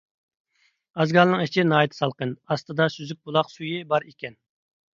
ئازگالنىڭ ئىچى ناھايىتى سالقىن، ئاستىدا سۈزۈك بۇلاق سۈيى بار ئىكەن.